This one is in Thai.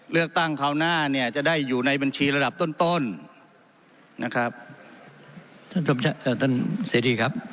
เลือกตั้งคราวหน้าเนี่ยจะได้อยู่ในบัญชีระดับต้นต้นนะครับท่านผู้ชมเอ่อท่านเสรีครับ